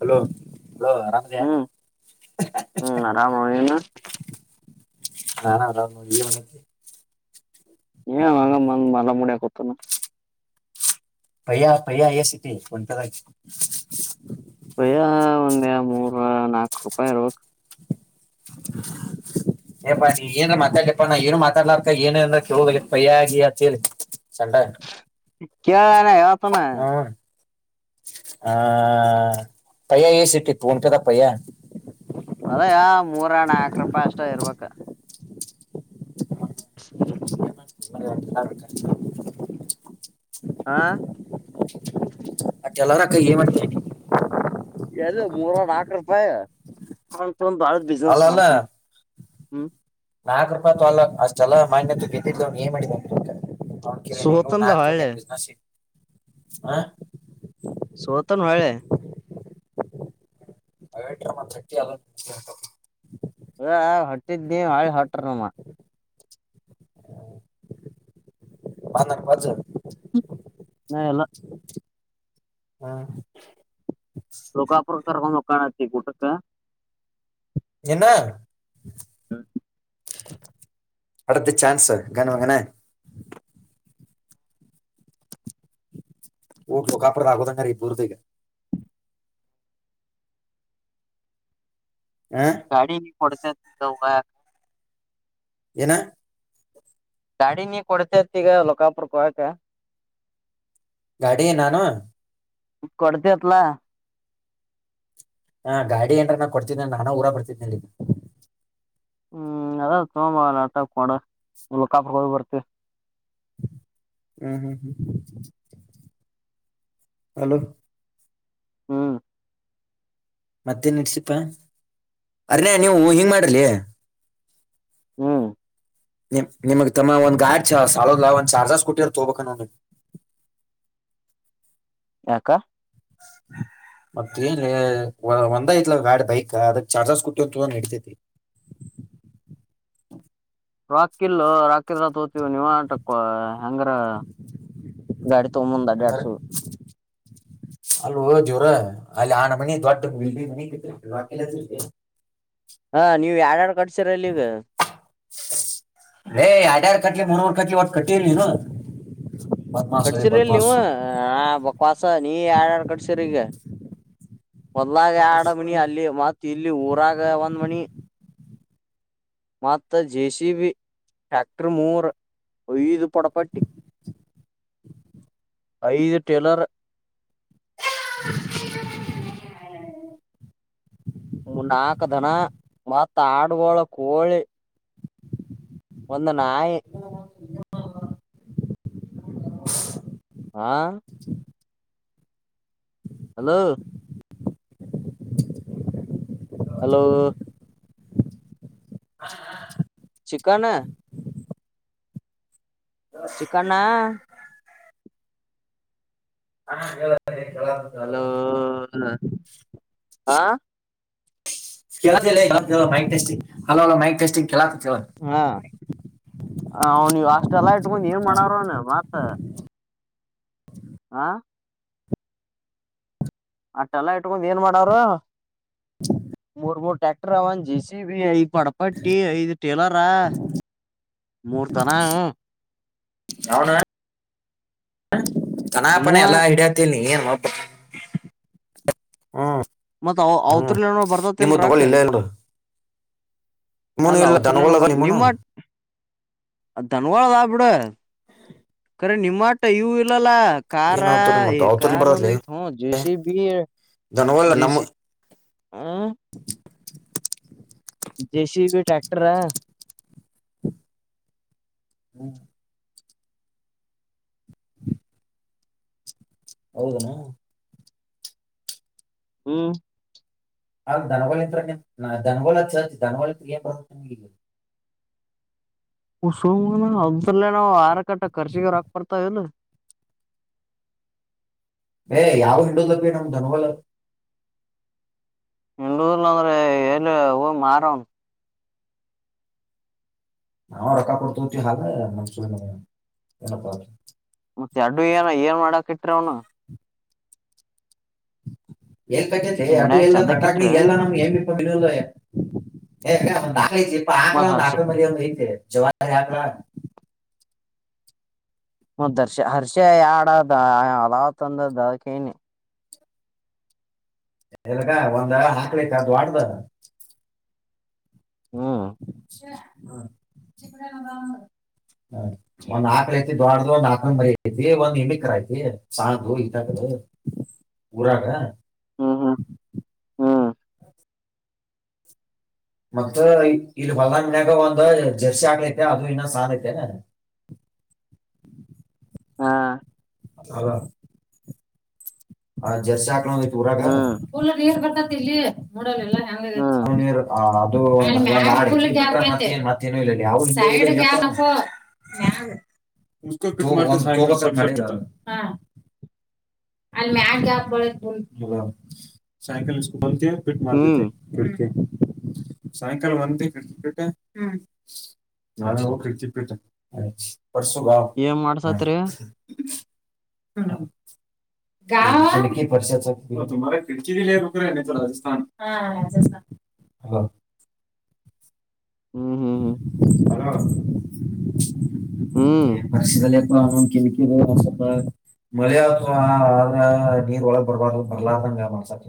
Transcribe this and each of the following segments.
Hello hello ಅರಾಮಿದ್ಯಾ. ಹ್ಮ್ ಹ್ಮ್ ಆರಾಮ ನೀನು. [inaudible] ನನ್ ಅರಾಮ್ ಇವನ್ನತಿ. ಏ ಹಂಗ ಮ-ಮಗ್-ಮಲ ಮುಡ ಕೊತನ. ಪಯ್ಯ ಪಯ ಎ ಸಿತಿ ಒಂಟದಾಗಿ. ಅಯ್ಯ ಒಂದ್ ಮೂರ ನಾಲ್ಕು ರೂಪಾಯಿ ಇರೊಡು. ಏಪ್ಪಾ ನೀಗ ಏನ್ರ ಮಾತಾಡ್ಲಿಪ್ಪಾ ನಾ ಏನು ಮಾತಾಡ್ಲಾರಕ ಏನ ಅಂದ್ರ ಕೇಳೋದ ಪಯ ಆಗಿ ಅಂತೇಳಿ. ಸಂಡ ಕೆಳೆದಲ ಹೆಳೊತ್ತನೆ. ಹಾ ಪಯ್ಯ ಎ ಸಿ ಟಿ ಫೋನ್ ಕದ ಪಯ್ಯ. ಕ. [inaudible] [unintelligible] ಹ. ಯಲರಕ್ಕ ಏನ್ ಮಾಡ್ತ ಇದ. ಎದು ಮೂರ್ರುವಾರ ನಾಕ ರೂಪಾಯಿ. [inaudible] ತೊಂದ್ ಭಾಳ್ದ ಅಲ್ಲ ಬಿಸ್ನೆಸ್ ಮಾಡ್ತನ ಹ್ಮ್. ನಾಲ್ಕ ರೂಪಾಯ ತೊಲ್ಲ ಅಷ್ಟ ಅಲ್ಲ ಮಾನ್ಯ್ದ ಬಿದ್ದಿದ್ವ್ ಏನ್ ಮಾಡಿದ. ಅವರ್ ಕೇಳನೆಯೋ ಸೋತನ್ಲ ನಸುಮನ್ ಹೊಳ್ಳೆ ಏನ್ ಬಿಸ್ನೆಸ್ ಇ. ಹಾ. ಸೋತನ್ ಹೊಳೆ. [unintelligible] ಅದ ಹೊಟ್ಟಿದ್ ನೀ ಹಾಳಿ ಹೊಟ್ರ ನಮ್ಮ. ಮಾನಕ್ ಬಜು. ನಾ ಎಲ್ಲ ಹಾ. ಲೋಕಾಪುರ್ ಕರ್ಕೊಂದ್ ಹೋಗ್. ಕಾಣತ್ತಿ ಕೂಟಕ್ಕಾ. [inaudible] [unintelligible] ಹ್ಮ. ವಡದ್ದಿ ಚಾನ್ಸ್ ಗನೋಗನ. ಊಟ ಕಾಪಡದ ಆಗೋದಂಗ್ರ ಈಬುರ್ದ ಈಗ. [unintelligible] ಆ ಗಾಡಿ ಕೊಡ್ತೇನ್ ತೊಂಬಾ. ಏನಾ. ಗಾಡಿ ನೀ ಕೊಡ್ತೇತ್ತೀಗ ಲೋಕಾಪುರ್ ಕೊ ಳಕಾ. ಗಾಡಿ ನಾನು. ಕೊಡ್ತಿಎತ್ಲಾ. ಹಾ ಗಾಡಿ ಏನ್ರೇನಾ ಕೊಡ್ತಿನೆನ್ ನಾನಾ ಊರ ಬರ್ತಿದ್ನೆಲ್ಲಿಗ್. ಹ್ಮ್ ಅದ ತೊಂಬಾ ಲ್ಯಾಪ್ಟಾಪ್ ನೋಡ ಲೋಕಾಪುರ್ ಹೋ ಬರ್ತಿ. ಹ್ಮ್ ಹ್ಮ್ ಹ್ಮ್ ಅಲೋ. ಹ್ಮ. ಮತ್ತೇನ್ ಇಡ್ಸಿಪಾ ಅರ್ನೇಯ ನೀವು ಹಿಂಗ್ ಮಾಡ್ರಲೇ. ಹ್ಮ್. ನಿಮ್ ನಿಮಗ್ ತಮ್ಮ ಒಂದು ಗಾಡ್ ಛೋ-ಸಾಳದ್ ಲಾ ಒಂದು ಚಾರ್ ಜರ್ಸ್ ಸ್ಕೂಟಿಯರ್ ತೊಬೇಕಾ ನೋಡ್ ನೀವ್. ಯಾಕ. ಮತ್ತ ಏನ್ ಲೇ ವ-ಒಂದ ಐತ್ಲಾ ಬ್ಯಾಡ್ ಬೈಕಾ ಅದಕ್ ಚಾರ್ಜಸ್ ಸ್ಕೂಟಿ ಒಂದ್ ತೊ ನಡಿತೈತಿ. ರೋಕ್ಕಿಲ್ಲೋ ರೋಕ್ಕಿದ್ರಾ ನಾ ತೋತೀದ್ ನೀವುಂಟಕ್ಕ. ತಗೊಂಬಂದ್ ಅಡ್ಯಾಡ್ಸು [inaudible] ಅಲ್ವೋ ದೇವ್ರ. ಅಲ್ಲಿ ಆನಮನಿ ದೊಡ್ ಬಿಲ್ಡಿಂಗ್ ಮನಿ ಕಟ್ಟಿರ್ [unintelligible] ಹಾ ನೀವ್ ಯಾರ್ಯಾರ್ ಕಟ್ಸಿರಲ್ ಈಗ ರೇ ಯಾಡ್ಯಾರ್ ಕಟ್ಲೆ ಮೂರ್ ಮೂರ್ ಒಟ್ ಕಟ್ಟೇಲ್ ನೀನು. ಬದ್ಮಾಸ್ ಅದೇ ಕಡ್ಸಿರ್ರಿಲ್ ನೀವು ಬದ್ಮಾಸ್ ಆ ಬಕ್ವಾಸ್ ಸ ನೀ ಯಾರ್ ಯಾರ್ ಕಟ್ಸೀರೀಗ. ಹೊಲ್ದಗ ಯಾಡ ಮನಿ ಅಲ್ಲಿ ಮತ್ ಇಲ್ಲಿ ಊರಾಗ ಒಂದ್ ಮನಿ. ಮತ್ತ ಜೇ ಸೀ ಬಿ ಟ್ರ್ಯಾಕ್ಟರ್ ಮೂರ ಐದು ಪೊಡಪಟ್ಟಿ. ಐದು ಟೇಲರ್. [unintelligible] ನಾಕ ದನ ಮತ್ತ್ ಆಡ್ಗೊಳ ಕೋಳಿ. ಒಂದನ್ [inaudible] [inaudible] ಹಾ ಹಲೋ. ಹಲೋ. [inaudible] ಚಿಕನ್ ಚಿಕಣ್ಣ ಹಾ ಹೇಳ. ಕೇಳಾತೈತಿ ಹೇಳು. ಹಲೋ. ಆ ಕೇಳೋಡ್ಲೆ ನನ್ ಮಾತ್ ಕೇಳ mic testing hello hello mic testing ಕೇಳಾ ಹಾ. ಆ ನೀವು ಅಷ್ಟೆಲ್ಲ ಗೊಂಡ್ ಏನ್ ಮಾಡೋರನ್ ಮತ್ತ. ಆ ಅಟ್ಟೆಲ್ಲಾ ಇಟ್ಕೊಂಡ್ ಏನ್ ಮಾಡವ್ರ ಮೂರ್ ಮೂರ್ ಟ್ಯಾಕ್ಟರ್ ಒಂದ್ ಜೆ ಸಿ ಬಿ ಐದ್ ಪಡಪಟ್ಟಿ ಐದ್ ಟೇಲರಾ ಮೂರ್ದನಾ ಯಾವನು [unintelligible] ತನಪನ ನಿಮ್ಮುವ ಎಲ್ಲ ಐಡಿಯಾತಿನಿ. [unintelligible] ಮತ್ತ್ ಅವ ಅವಔತ್ಲ್ನ ನಿಮ್ಮ ಬರ್ದತಿಲ್ಲ ದನಗಳು ರೊಕ್ಕ. ಇಲ್ಲ ಇಲ್ಲ ನಿಮ್ಮನು ಅಲ್ಲ ಇಲ್ಲ ದನಗೋಲ್ದ ನಿಮ್ಮನು. ದನಗೋಳದಾವ ಬಿಡ. ಅರೆ ನಿಮ್ಮಾಟ ಇವು ಇಲ್ಲಲ್ಲ. ಏನ್ ಕಾರಾ ಅವತೂರಿ ಮತ್ತ ಎ ಅವತೂರಿ ಕಾರೊಂದ್ ಬರತ್ಲಿ ಐತ್ ಜೆ ಸಿ ಬಿ ದನಗಳ ನಮ್ಮ ಜೆಸಿ ಹ. ಜೆ ಸಿ ಬಿ ಟ್ರ್ಯಾಕ್ಟರ್ ಹ. ಹು ಹೌದನೋ. ಹ್ಮ್ ಅ ದಧನಗಳಂತ್ರ ದಧನಬೋಳ ಚ ದನವಲಂತಏನ್. [unintelligible] ಸಮ ಹದ್ರಲ್ಲೇ ನಾವು ಆರ ಕಟ್ಟ ಖರ್ಚಿಗೆರುಾಕ್ ಬರ್ತಾವ ಇಲ್ಲ. ಏ ಯಾವ್ ಹಿಂಡದಪೀ ನಮ್ ದನ್ಗೋಳ್. [unintelligible] ಇಲ್ಲ ಅಂದ್ರೆ ಎಲ್ಲಿ ಹೋಗ್ ಮಾರವನ್ನ. ನಾವು ರೊಕ್ಕಾ ಕೊಡ್ತುನಾದ್ರೆ [unintelligible] ಏನಪ್ಪಾ. ಮತ್ತೆ ಅಡ್ಡುವಿನ ಏನ್ ಮಾಡಾಕ್ ಇಟ್ರ ಅವನ್ನ. ಎಲ್ ಕಟ್ಯತ್ಲೆ ಅದು ಮನ್ಯಾಗ ಎಲ್ಲ ಚಂದಕ್ ಕಟಕ್ನ ಇಟ್ರಿ ಎಲ್ಲಾ ನಮ್ಗೆ ಹೆಮಪ ಬಿಡದ. [unintelligible] ಹಾ ಇರ್ಪ ಮತ್ ಒಂದು ಹರ್ಷ ಆಕಳ ಮ್ಯಾರಿ ಒಂದ್ ಐ್ದದೆ ಜವಾರಿ ಹಾಕ್ಳ. ಹದರ್ಷ ಹರ್ಷ ಯಡದ ಅಲಾವ್ ತಂದದ್ದ ಅದಕ್ಕನಿ‌. ಎಲ್ಗ ಒಂದು ಹಾಕ್ಳ ಅಯ್ತ ದೊಡ್ಡದು. ಹ್ಮ್. ಹ ಹ ಒಂದ್ ಆಕ್ಳ ಐತಿ ದೋಡ್ದ ಒಂದ್ ಆಕಳ ಮರಿ ಐತಿ ಒಂದ್ ಹೆಮ್ಮಿಕರ ಐತಿ ಸಾಕು ಈತಕ್ ಊರೋರಗ. ಹ್ಮ್ ಹ್ಮ್ ಹ್ಮ್. ಮತ್ತ ಇಲ್ ಇಲ್ಲಿ ಹೊಲ್ದಾಗ ಮನ್ಯಾಗ ಒಂದ ಜರ್ಸಿ ಹಾಕ್ಳ ಐತೆ ಅದು ಇನ್ನ ಸಾಲೈತೆ. ಹಾ. ಹ ಹಲೋ. ಹ ಜರ್ಸಿ ಹಾಕ್ಳಂದ ಊರಾಗ ಹ್ಮ್ ಉಲ್ಲಾಗ್ ನೀರ್ ಬರ್ತತಿಲ್ಲಿ ನೋಡಲಿಲ್ಲ ಹೆಂಗೆ ಹ್ಮ್ [unintelligible] ಆ ಅದು. ಮತ್ತೇನು ಇಲ್ಲಲ್ಯ ಸಾಟರ್ಡೆ ಗ್ಯಾಪ್ [unintelligible] ಹಾ. ಅಲ್ಲಿ ಮ್ಯಾ ಗ್ಯಾಪ್ ಒಂದ್ ಸೈಕಲ್ ಸ್ಕೂ ಟಿ ಫಿಟ್ ಹ್ಮ್ ಮಾಡತೈತೆ [unintelligible] ಸಾಯಂಕಾಲ ವಂತ ಕ್ರಿಕಟ್ಟ ಹ್ಮ್ ನಾನೋ ಕ್ರಿಕೆಟ್ಪ್ ಹ. ಪರ್ಸುಗಾವ್ ಏನ್ ಹ ಮಾಡ್ಸತ್ರಿ ಹ್ಮ್. ಗಾ ಏನಿಕಿ ಪರ್ಶ [unintelligible] ದ ರಕರದು ರಾಜಸ್ಥಾನಥ ಹ. ಹ್ಮ್ ಹ್ಮ್ ಹ. ಹೇ ಹ್ಮ್ ಪರಸಲೇ. ಕಿಕಿ ಸ್ವಲ್ಪ ಮಳೆ ಆತು ಆದ ನೀರ್ ಒಳಗ್ ಬರ್ಬಾರ್ದು ಬರ್ಲಾದಂಗ ಮಡಸಕ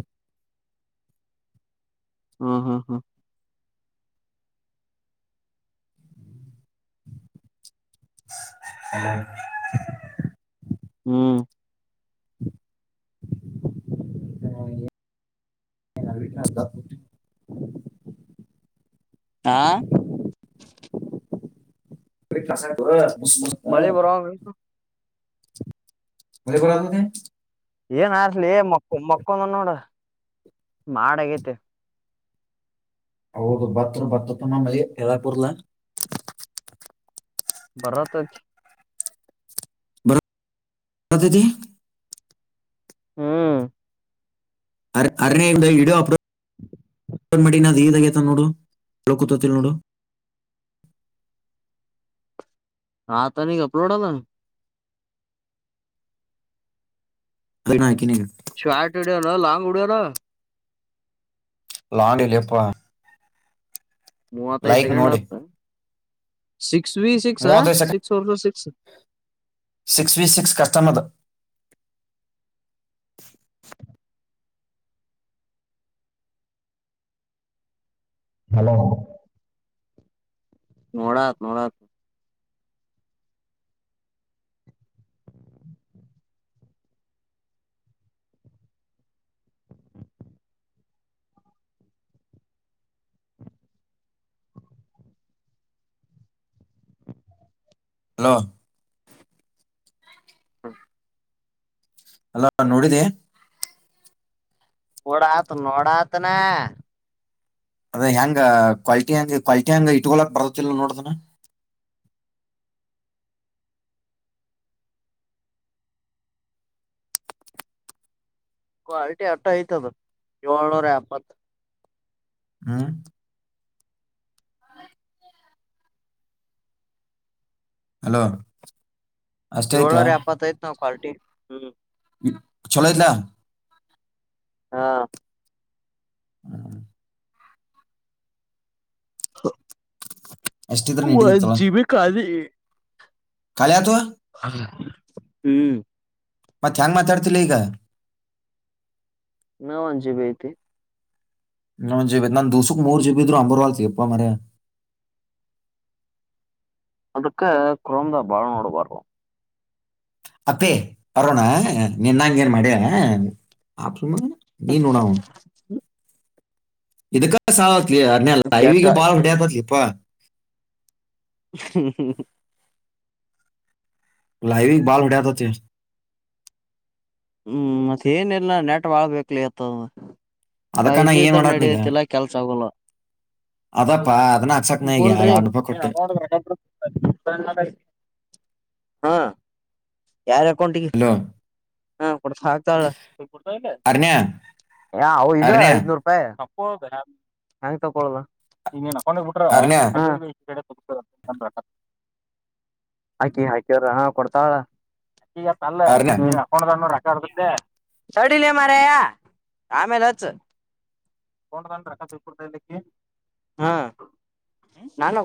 ಹ್ಮ ಹ್ಮ್ ಹ್ಮ್. [unintelligible] ಹ್ಮ್. [unintelligible] ಆ ಪ್ರಿ ಕ್ಲಾಸ ಗುರು. ಮಳೆ ಬರೋಹಾನ್ಗಯ್ತ. ಮಳೆಗುಳ್ ಆಗೋದ. ಏನ. ಲೇ ಮಕ್ಕು ಮಕ್ಕೊಂದ ನೋಡ. ಮಾಡಗೈತೆ. ಹೌದು ಬತ್ರರು ಬರ್ತತಮ್ಮಂಗ ಏ ಹೆಳಕ ಬರಂಗಿಲ್ಲ. ಬರತೈತಿ. ಅದಿತಿ. ಹ್ಮ್ ಅರ ಅರಣಿಯಿಂದ ಇಡು ಅಪಡ. [inaudible] ಮಾಡಿನ ದದಾಗೇತ ನೋಡು ಳ ಕೂತತಿಲ್ಲ ನೋಡು. ಆತೇನಿಗ್ ಅಪ್ಲೋಡ್ ಅಲ್ಲ. [unintelligible] ಶಾರ್ಟಡೆಲ್ಲ ಲಾಂಗು. ಪೆರ. ಲಾಂಡಿಲೆಪ್ಪ. ಮೂವತ್ತೈದು ಸೆಕೆಂಡ ಆತ. ಸಿಕ್. ಮೂವತ್ತೈದು ಸೆಕೆಂಡ ಸಿಕ್ಸ್ವಿ ಸಿಕ್ಸ್ ಕಷ್ಟಮ್ ಅದು. ಹಲೋ ನೋಡಾತ್ ನೋಡತ್. ಹಲೋ ಅಲ ನೋಡಿದಿ. ನೋಡಾತ್ ನೋಡಾತ್ನ. ಅದ ಹೆಂಗ ಕ್ವಾಲಿಟಿ ಹೆಂಗ ಕ್ವಾಲಿಟಿ ಹೆಂಗ ಇಟ್ಕೊಳಕ್ ಬರತಿಲ್ ನೋಡ್ ಅದನ್ನ. ಕ್ವಾಲಿಟಿ ಅಟ್ಟ ಐ್ತದ ಏಳ್ನೂರ ಎಪ್ಪತ್ ಹ್ಮ್ ಹಲೋ ಅಷ್ಟೈತೆ ಏಳ್ನೂರ ಎಪ್ಪತ್ತೈತ್ ನೋಡ್. ಕ್ವಾಲಿಟಿ ಹ್ಮ್. ಛೊಲೋ ಐತ್ಲ. ಹಾ ಹ್ಮ್ [inaudible] ಅಷ್ಟಿದ್ರ ಒನ್ ಜಿ ಬಿ ಕಾಲಿ. ಕಾಲಿ ಆತು. ಅಲ್ಲ. ಹ್ಮ್ ಮತ್ತ್ ಹ್ಯಾಂಗ್ ಮಾತಾಡ್ತಿಲೇ ಈಗ. ಇನ ಒಂದ್ ಜೆ ಬಿ ಐತಿ. ಇನ ಒಂದ್ ಜಿ ಬಿ ಐತ್ ನಂದೂಸುಕ ಮೂರ ಜಿ ಬಿ ಇದ್ರು ಅಂಬರ್ವಾಲ್ತಲೇಪ್ಪ ಮಾರಾಯ. ಅದಕ್ಕ ಕ್ರೋಮ್ದಾಗ್ ಬಾಳ್ ನೋಡ್ಬಾರ್ದು. ಅಪ್ಪಿ ಬರೋಣ ನಿನ್ನಂಗ್ ಏನ್ ಮಾಡ್ಯನಾ ಆಪ್ ಸುಮ್ಮ [unintelligible] ನೀನ್ ಉಣವು. ಇದಕ್ಕಾ ಸಾ ತ್. ಲೇ ಅದ್ನ್ಯ ಕೆಟ್ಟ ಲೈವಿಗ ಬಾಳ್ ಹೊಡ ಹತಲಿ ಪ. ಹ್ಮ್ ಹ್ಮ್ ಹ್ಮ್ ಲೈವೀಗ್ ಬಾಳ್ ಹೊಡ್ಯತತಿ. ಹ್ಮ್ ಮತ್ತ ಏನಿಲ್ಲ ನೆಟ್ ಬಾಳ್ ಬೇಕ್ಲೆ ಅತದ್. ಅದಕ್ಕ ನಾ ಪೈಜಿ ಏನ್ ಇದ್ರ ಮಾಡತ್ ನೀಗ ನಡಿಯತಿಲ್ಲ ಕೆಲ್ಸಾಗೊಲ್ಲ ಅದಪ್ಪ ಅದನ್ನ ಹಾಕ್ಸಕ್ ನಾ ಈಗ ಬೋಲ್ರಿ ಎರಡ್ ರೂಪಾಯಿ ಕೊಟ್ಟೆ [unintelligible] ಹ್ಮ ಯಾರ್ ಅಕೌಂಟಿಗಿ ಹಲೋ ಹ ಕೊಡ್ ಹಾಕ್ತಾಳ್ ಅರ್ಣ್ಯ ಏ ಆವ್ ಇದ ಅರ್ಣ್ಯ ಐದನೂರೂಪಾಯಿ. ಹೆಂಗ್ ತಕೊಳದು. ಹೊಂಡ ಬಿಟ್ರ. ಅರ್ಣ್ಯ ಅಕಿ ಹಾಕ್ಯಾರಾ ಕೊಡ್ತಾಳ. ಈಗ ತಲ್ಲ ಅರ್ಣ್ಯ ನಿನ್ ಅಕೌಂಟ್ದಾಗ್ನೂ ರೊಕ್ಕ ಇರೊದುಲ್ಲಾ. ದೆ ತಡಿಲೇ ಮಾರಯ ಆಮೇಲಚ್ಚು. [unintelligible] ಹ್ಮ